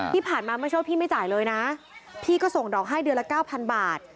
ที่ผ่านมาไม่ใช่ว่าพี่ไม่จ่ายเลยนะพี่ก็ส่งดอกให้เดือนละเก้าพันบาท